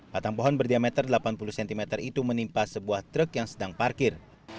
batang pohon berdiameter delapan puluh cm itu menimpa sebuah truk yang sedang parkir